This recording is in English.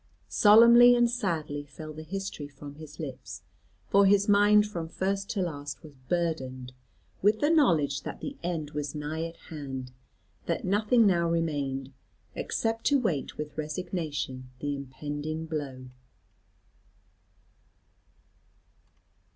Solemnly and sadly fell the history from his lips, for his mind from first to last was burdened with the knowledge that the end was nigh at hand, that nothing now remained, except to wait with resignation the impending blow.